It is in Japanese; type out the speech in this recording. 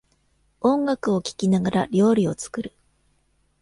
音楽を聴きながら料理を作る